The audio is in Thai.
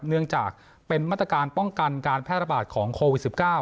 เนื่องจากเป็นมาตรการป้องกันการแพร่ระบาดของโควิด๑๙